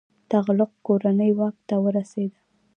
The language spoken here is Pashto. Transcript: تغلق کورنۍ واک ته ورسیده.